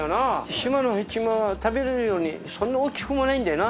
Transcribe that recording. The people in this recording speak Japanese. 島のヘチマは食べられるようにそんな大きくもないんだよな